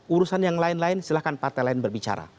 urusan yang lain lain silahkan partai lain berbicara